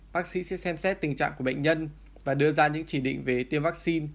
bác sĩ sẽ xem xét tình trạng của bệnh nhân và đưa ra những chỉ định về tiêm vaccine